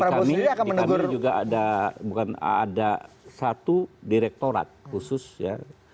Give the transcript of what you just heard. di kami juga ada satu direktorat khusus ya